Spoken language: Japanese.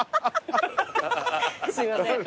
すいません。